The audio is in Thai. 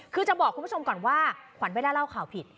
คือจะบอกคุณผู้ชมก่อนว่าขวัญไม่ได้เล่าข่าวผิด